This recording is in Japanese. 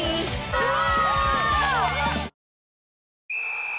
うわ！